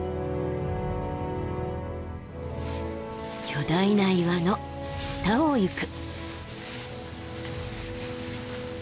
巨大な岩の下をゆく。